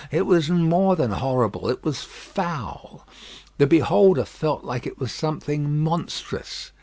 It was more than horrible; it was foul. The beholder felt that it was something monstrous.